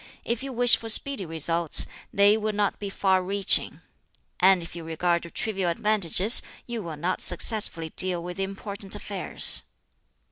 If you wish for speedy results, they will not be far reaching; and if you regard trivial advantages you will not successfully deal with important affairs."